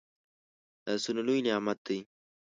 لاسونه لوي نعمت دی